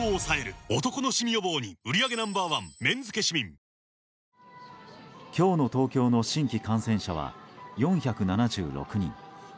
ＪＴ今日の東京の新規感染者は４７６人。